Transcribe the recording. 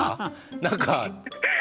何か。